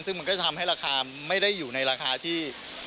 ซึ่งมันก็จะทำให้ราคาไม่ได้อยู่ในราคาที่